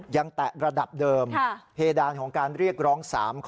แตะระดับเดิมเพดานของการเรียกร้อง๓ข้อ